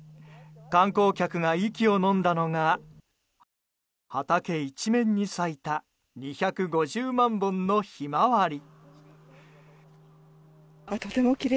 観光客が息をのんだのが畑一面に咲いた２５０万本のヒマワリ。